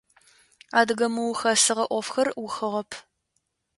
Адыгэ мыухэсыгъэ ӏофхэр ухыгъэп.